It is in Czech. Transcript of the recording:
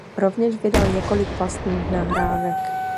Rovněž vydal několik vlastních nahrávek.